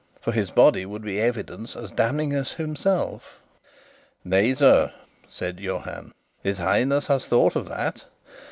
For his body would be evidence as damning as himself. "Nay, sir," said Johann, "his Highness has thought of that.